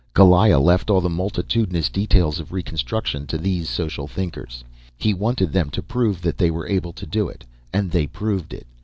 Goliah left all the multitudinous details of reconstruction to these social thinkers. He wanted them to prove that they were able to do it, and they proved it.